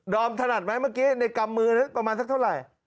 ถนัดไหมเมื่อกี้ในกำมือนั้นประมาณสักเท่าไหร่